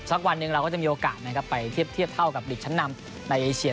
วันหนึ่งเราก็จะมีโอกาสนะครับไปเทียบเท่ากับหลีกชั้นนำในเอเชีย